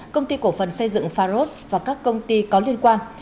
công ty cổ phần xây dựng pharos và các công ty có liên quan